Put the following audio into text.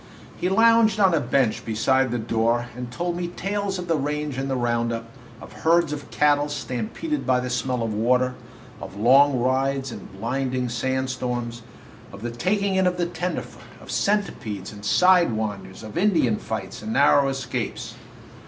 He lounged on a bench beside the door and told me tales of the range and the round up, of herds of cattle stampeded by the smell of water, of long rides in blinding sand storms, of the taking in of the tenderfoot, of centipedes and side winders, of Indian fights and narrow escapes.